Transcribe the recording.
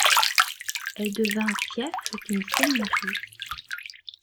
Elle devint fief d'une seigneurie.